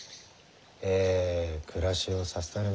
ええ暮らしをさせたるに。